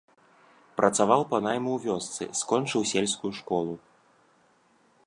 Працаваў па найму ў вёсцы, скончыў сельскую школу.